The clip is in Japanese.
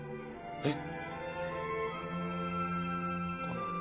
えっ？